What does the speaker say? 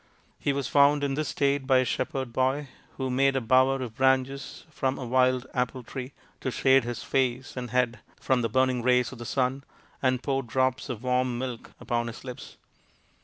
He was found in this state by a shepherd boy, who made a bower of branches from a wild apple tree to shade his face and head from the burning rays of the sun, and poured drops of warm milk upon his lips.